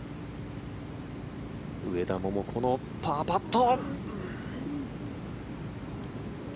上田桃子のパーパット。